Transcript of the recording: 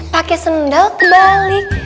pakai sendal kebalik